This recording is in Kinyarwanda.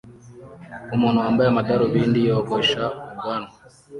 umuntu wambaye amadarubindi yogosha ubwanwa